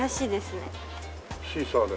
シーサーで。